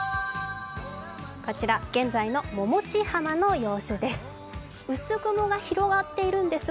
こちら現在の百道浜の様子です。